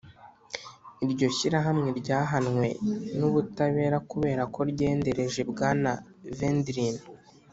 iryo shyirahamwe ryahanwe n'ubutabera kubera ko ryendereje bwana védrine.